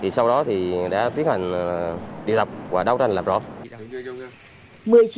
sau đó thì đã tiến hành điều tập và đấu tranh lập rộng